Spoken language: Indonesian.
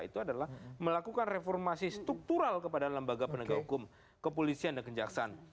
itu adalah melakukan reformasi struktural kepada lembaga penegak hukum kepolisian dan kejaksaan